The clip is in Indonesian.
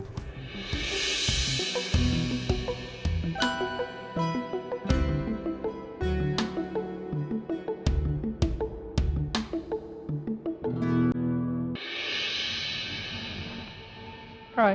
menyerah dulu aja